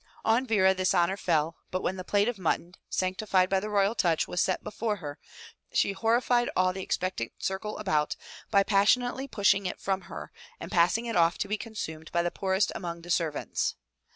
On Vera this honor fell, but when the plate of mutton, sanctified by the royal touch, was set before her, she horrified all the expec tant circle about by passionately pushing it from her and passing it off to be consumed by the poorest among the servants!